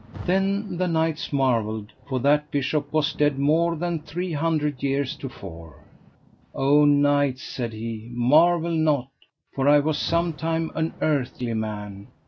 Then the knights marvelled, for that bishop was dead more than three hundred year to fore. O knights, said he, marvel not, for I was sometime an earthly man.